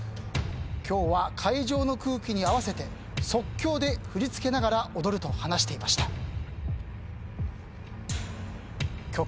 今日は会場の空気に合わせて即興で振り付けながら踊ると話していました。